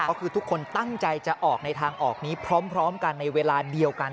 ก็คือทุกคนตั้งใจจะออกในทางออกนี้พร้อมกันในเวลาเดียวกัน